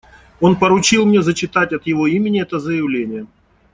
Он поручил мне зачитать от его имени это заявление.